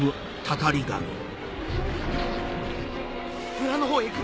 村のほうへ行く！